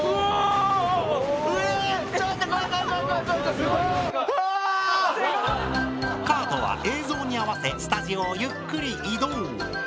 すごい！カートは映像に合わせスタジオをゆっくり移動。